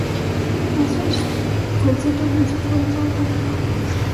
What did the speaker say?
Auschwitz I fue el centro administrativo de todo el complejo.